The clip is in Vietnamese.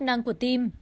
chức năng của tim